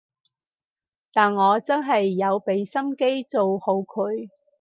但我真係有畀心機做好佢